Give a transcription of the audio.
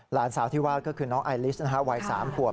หลานสาวที่ว่าก็คือน้องไอลิสวัย๓ขวบ